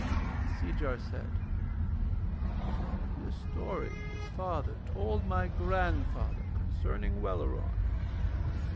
And Seejar said: 'This story his father told my grandfather concerning Welleran.